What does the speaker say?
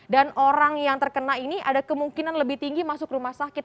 dan orang yang terkena ini ada kemungkinan lebih tinggi masuk rumah sakit